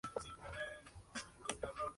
No se tienen datos del destino del segundo avión.